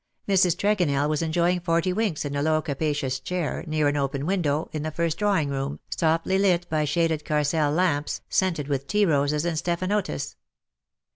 Mrs. Tregonell was enjoying forty winks in a low capacious chair^ near an open window, in the first drawing room, softly lit by shaded Carcel lamps, scented with tea roses and stephanotis.